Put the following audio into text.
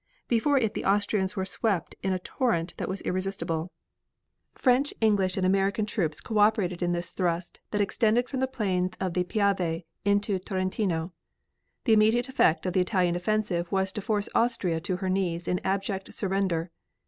Before it the Austrians were swept in a torrent that was irresistible. French, English and American troops co operated in this thrust that extended from the plains of the Piave into Trentino. The immediate effect of the Italian offensive was to force Austria to her knees in abject surrender.